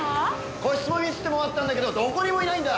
個室も見せてもらったんだけどどこにもいないんだ。